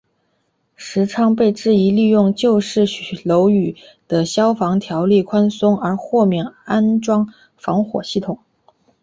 时昌被质疑利用旧式楼宇的消防条例宽松而豁免安装防火系统。